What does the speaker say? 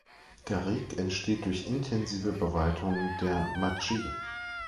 Garigue entsteht durch intensive Beweidung der Macchie.